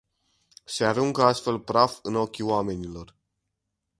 Se aruncă astfel praf în ochii oamenilor.